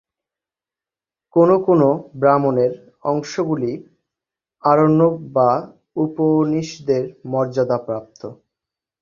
কোনো কোনো "ব্রাহ্মণের" অংশগুলি আরণ্যক বা উপনিষদের মর্যাদাপ্রাপ্ত।